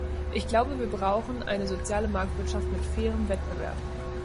Ich glaube, wir brauchen eine soziale Marktwirtschaft mit fairem Wettbewerb.